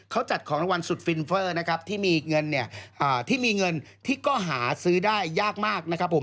เขาจัดของรางวัลสุดฟินเฟอร์นะครับที่มีเงินเนี่ยที่มีเงินที่ก็หาซื้อได้ยากมากนะครับผม